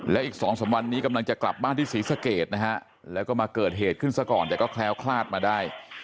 และอีก๒๓วันนี้กำลังจะกลับบ้านที่ศรีสะเกดนะฮะแล้วก็มาเกิดเหตุขึ้นซะก่อนแต่ก็แคล้วคลาดมาได้